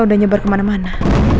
udah nyebar kemana mana